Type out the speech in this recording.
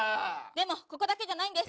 でもここだけじゃないんです。